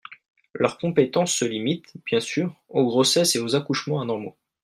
Leur compétence se limite, bien sûr, aux grossesses et aux accouchements normaux.